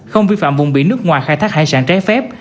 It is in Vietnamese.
không vi phạm vùng biển nước ngoài khai thác hải sản trái phép